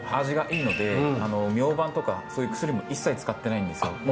味がいいのでミョウバンとかそういう薬も一切使ってないんですよ。